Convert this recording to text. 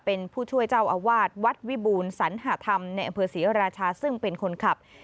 เป็นผู้ช่วยเจ้าอาวาสวัดวิบูรณสัญหาธรรมในอำเภอศรีราชาซึ่งเป็นคนขับ